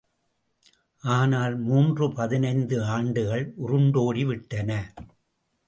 ஆனால் மூன்று பதினைந்து ஆண்டுகள் உருண்டோடிவிட்டன.